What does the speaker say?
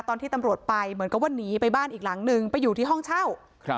ตอนที่ตำรวจไปเหมือนกับว่าหนีไปบ้านอีกหลังนึงไปอยู่ที่ห้องเช่า